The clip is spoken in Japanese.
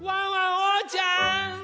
おうちゃん！